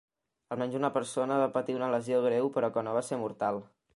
Almenys una persona va patir una lesió greu però que no va ser mortal.